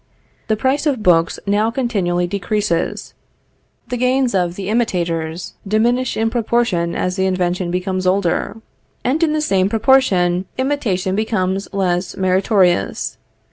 The price of books now continually decreases. The gains of the imitators diminish in proportion as the invention becomes older; and in the same proportion imitation becomes less meritorious.